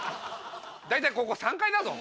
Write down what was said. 大体ここ３階だぞお前。